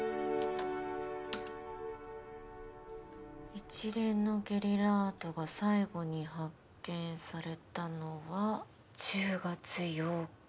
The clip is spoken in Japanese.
一連のゲリラアートが最後に発見されたのは１０月８日。